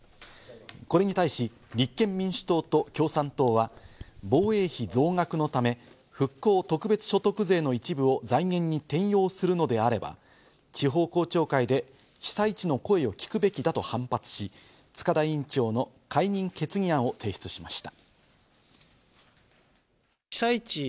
これに対し立憲民主党と共産党は、防衛費増額のため、復興特別所得税の一部を財源に転用するのであれば地方公聴会で被災地の声を聞くべきだと反発し、塚田委員長の解任決議案を提出しました。